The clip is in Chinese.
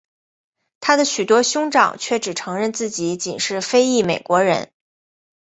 他的许多兄长却只承认自己仅是非裔美国人。